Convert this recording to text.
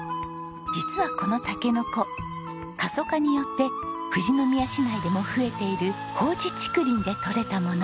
実はこのたけのこ過疎化によって富士宮市内でも増えている放置竹林でとれたもの。